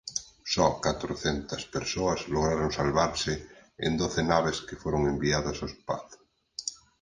Só catrocentas persoas lograron salvarse en doce naves que foron enviadas ao espazo.